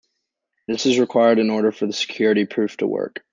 This is required in order for the security proof to work.